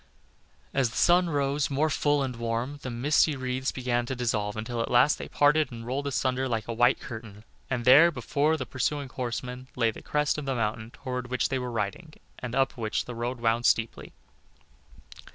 As the sun rose more full and warm, the misty wreaths began to dissolve, until at last they parted and rolled asunder like a white curtain and there, before the pursuing horsemen, lay the crest of the mountain toward which they were riding, and up which the road wound steeply.